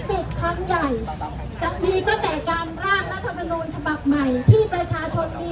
ที่ประชาชนดีส่วนร่วมเท่านั้นที่จะพาตรงคนไทยรับคอนต่อไปจากวิกฤตทันนี้